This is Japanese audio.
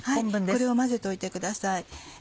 これを混ぜといてください。